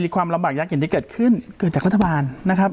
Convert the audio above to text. ความลำบากยากเย็นที่เกิดขึ้นเกิดจากรัฐบาลนะครับ